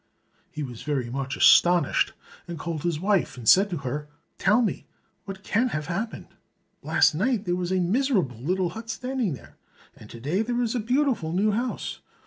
He was very much astonished, and called his wife and said to her, "Tell me, what can have happened? Last night there was a miserable little hut standing there, and to day there is a beautiful new house.